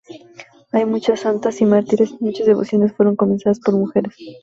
Hay muchas santas y mártires y muchas devociones fueron comenzadas por mujeres.